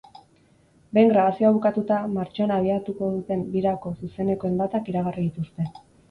Behin grabazioa bukatuta, martxoan abiatuko duten birako zuzenekoen datak iragarri dituzte.